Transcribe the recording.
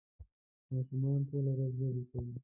ماشومان ټوله ورځ لوبې کوي